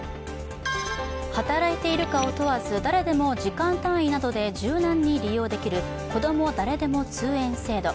働いているかを問わず誰でも時間単位などで柔軟に利用できる、こども誰でも通園制度。